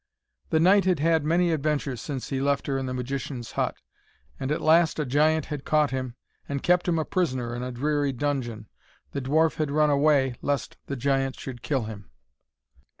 The knight had had many adventures since he left her in the magician's hut, and at last a giant had caught him, and kept him a prisoner in a dreary dungeon. The dwarf had run away, lest the giant should kill him.